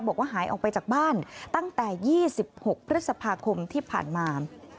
บอกว่าหายออกไปจากบ้านตั้งแต่๒๖พฤษภาคมที่ผ่านมา